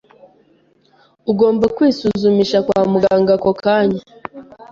Ugomba kwisuzumisha kwa muganga ako kanya.